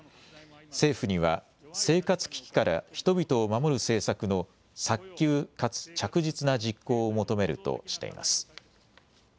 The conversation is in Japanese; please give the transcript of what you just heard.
政府には生活危機から人々を守る政策の早急かつ着実な実行を求めるとしています。